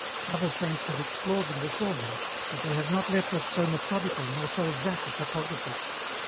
Other Saints have explored them before her, but they have not left us so methodical nor so exact a topography.